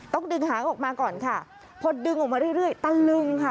ต้องดึงหางออกมาก่อนค่ะพอดึงออกมาเรื่อยตะลึงค่ะ